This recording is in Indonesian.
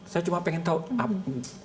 saya cuma pengen tahu apa